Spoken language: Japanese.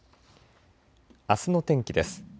あすの天気です。